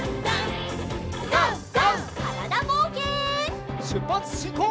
からだぼうけん。